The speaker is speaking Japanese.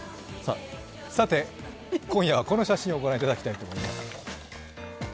さて、今夜はこの写真を御覧いただきたいと思います。